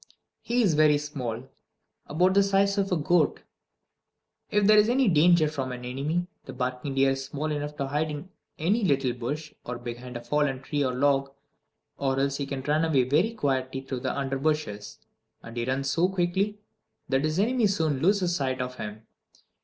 He is very small, about the size of a goat. If there is any danger from an enemy, the barking deer is small enough to hide in any little bush or behind a fallen tree or log; or else he can run away very quietly through the under bushes. And he runs so quickly that his enemy soon loses sight of him.